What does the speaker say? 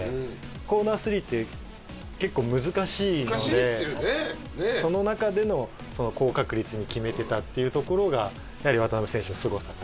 コーナースリーって結構難しいのでその中での高確率に決めてたっていうところがやはり渡邊選手のすごさだと。